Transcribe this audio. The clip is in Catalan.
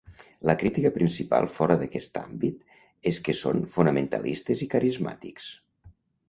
La crítica principal fora d'aquest àmbit és que són fonamentalistes i carismàtics.